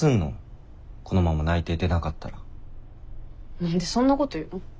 何でそんなこと言うの？